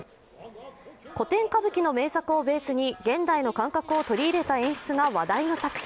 古典歌舞伎の名作をベースに現代の感覚を取り入れた話題の作品。